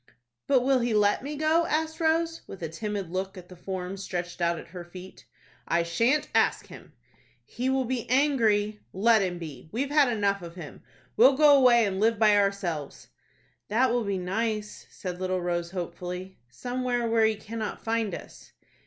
"But will he let me go?" asked Rose, with a timid look at the form stretched out at her feet. "I shan't ask him." "He will be angry." "Let him be. We've had enough of him. We'll go away and live by ourselves." "That will be nice," said little Rose, hopefully, "somewhere where he cannot find us."